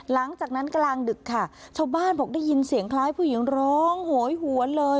หลังจากนั้นกลางดึกค่ะชาวบ้านบอกได้ยินเสียงคล้ายผู้หญิงร้องโหยหวนเลย